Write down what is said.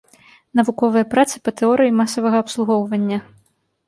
Навуковыя працы па тэорыі масавага абслугоўвання.